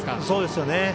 そうですよね。